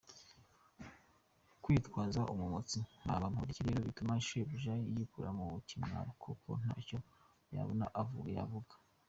Kwitwaza umumotsi nka Bamporiki rero bituma shebuja yikura mu kimwaro kuko ntacyo yabona yavuga.